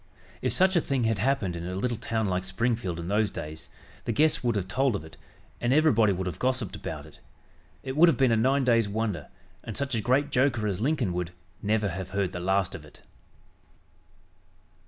If such a thing had happened in a little town like Springfield in those days, the guests would have told of it, and everybody would have gossiped about it. It would have been a nine days' wonder, and such a great joker as Lincoln would "never have heard the last of it."